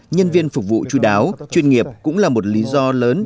nhân viên phục vụ chú đáo chuyên nghiệp cũng là một lý do lớn